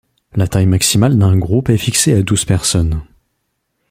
La taille maximale d'un groupe est fixée à douze personnes.